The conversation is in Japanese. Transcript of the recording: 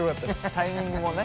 タイミングもね。